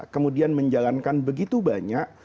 kemudian menjalankan begitu banyak